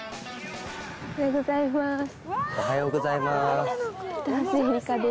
おはようございます。